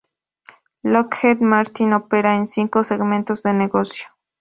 Lockheed Martin opera en cinco segmentos de negocio.